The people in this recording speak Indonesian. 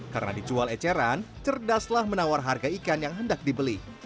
karena di cual eceran cerdaslah menawar harga ikan yang hendak diperoleh